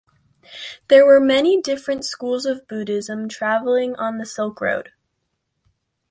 There were many different schools of Buddhism travelling on the Silk Road.